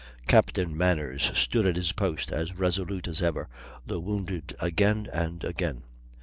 Captain Manners stood at his post, as resolute as ever, though wounded again and again.